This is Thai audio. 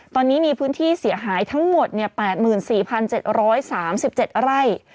ตอนนี้มีพื้นที่เสียหายทั้งหมด๘๔๗๓๗ไร่